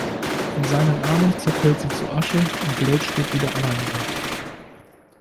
In seinen Armen zerfällt sie zu Asche, und Blade steht wieder allein da.